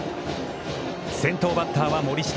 先頭バッターは森下。